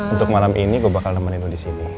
untuk malam ini gue bakal nemenin lo disini